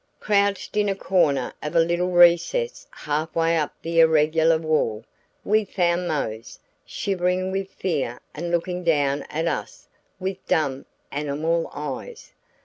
Crouched in a corner of a little recess half way up the irregular wall, we found Mose, shivering with fear and looking down at us with dumb, animal eyes.